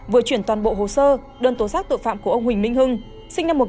vừa chuyển toàn bộ hồ sơ đơn tố giác tội phạm của ông huỳnh minh hưng sinh năm một nghìn chín trăm bảy mươi